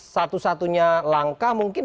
satu satunya langkah mungkin